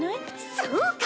そうか！